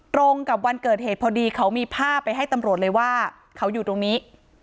ตรงกับวันเกิดเหตุพอดีเขามีภาพไปให้ตำรวจเลยว่าเขาอยู่ตรงนี้